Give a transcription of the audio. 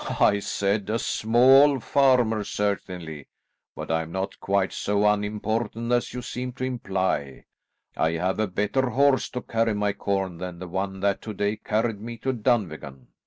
"I said a small farmer certainly, but I am not quite so unimportant as you seem to imply. I have a better horse to carry my corn than the one that to day carried me to Dunvegan."